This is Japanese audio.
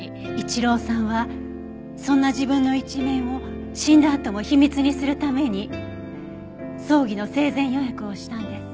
一郎さんはそんな自分の一面を死んだあとも秘密にするために葬儀の生前予約をしたんです。